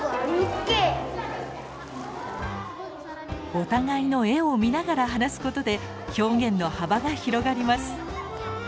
お互いの絵を見ながら話すことで表現の幅が広がります。